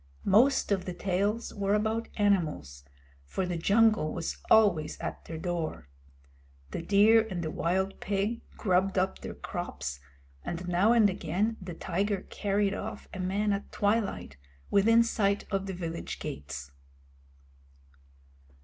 Most of the tales were about animals, for the jungle was always at their door. The deer and the wild pig grubbed up their crops, and now and again the tiger carried off a man at twilight, within sight of the village gates.